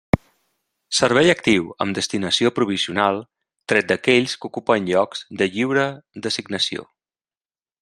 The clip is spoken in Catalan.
Servei actiu amb destinació provisional, tret d'aquells que ocupen llocs de lliure designació.